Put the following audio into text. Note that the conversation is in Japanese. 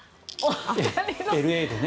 ＬＡでね。